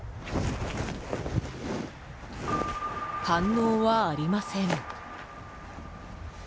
反応はありません。